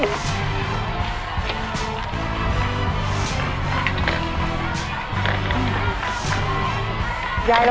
ใจจะได้นะคะ